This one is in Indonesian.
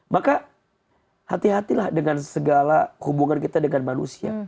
maka hati hatilah dengan segala hubungan kita dengan manusia